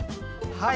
はい。